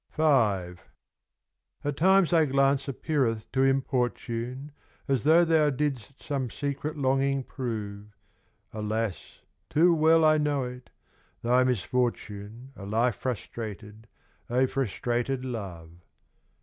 V. At times thy glance appeareth to importune, As though thou didst some secret longing prove. Alas, too well I know it, thy misfortune A life frustrated, a frustrated love.